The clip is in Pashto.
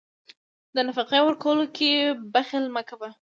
د نفقې ورکولو کې بخل مه کوه.